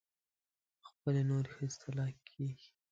خپلې نورې ښځې طلاقې کړې.